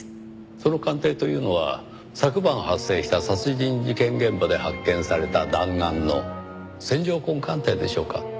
その鑑定というのは昨晩発生した殺人事件現場で発見された弾丸の線条痕鑑定でしょうか？